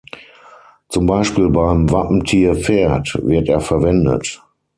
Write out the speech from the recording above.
Zum Beispiel beim Wappentier Pferd wird er verwendet.